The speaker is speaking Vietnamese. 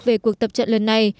về cuộc tập trận lần này